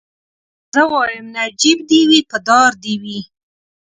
زه وايم نجيب دي وي په دار دي وي